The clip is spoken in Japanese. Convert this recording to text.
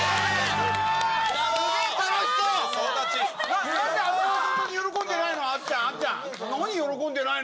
すげー、何、喜んでないの？